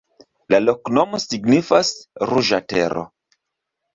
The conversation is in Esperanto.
La loknomo signifas: ruĝa tero.